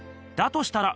としたら